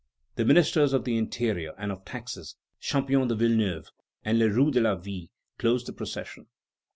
The Ministers of the Interior and of Taxes, Champion de Villeneuve and Le Roux de la Ville, closed the procession.